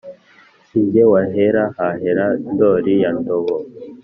Sinjye wahera hahera ndori ya ndobo.